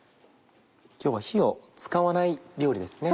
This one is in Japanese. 今日は火を使わない料理ですね。